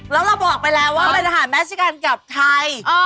แล้วเราบอกไปแล้วว่าเป็นอาหารแมชกันกับไทย